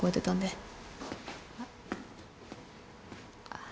あっ。